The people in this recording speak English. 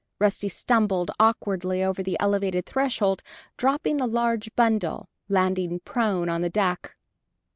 Rusty stumbled awkwardly over the elevated threshold, dropping the large bundle, landing prone on the deck.